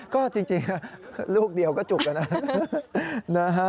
ก็จริงลูกเดียวก็จุกแล้วนะ